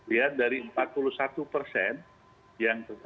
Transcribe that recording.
lihat dari empat puluh satu persen